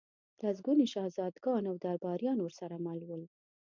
لسګوني شهزادګان او درباریان ورسره مل ول.